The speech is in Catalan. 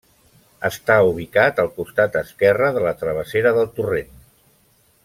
Està ubicat al costat esquerre de la travessera del Torrent.